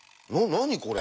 何だこれ？